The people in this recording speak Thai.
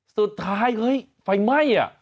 สุดท้ายเฮ้ยไฟไหม้อ่ะ